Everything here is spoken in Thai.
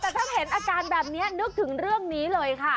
แต่ถ้าเห็นอาการแบบนี้นึกถึงเรื่องนี้เลยค่ะ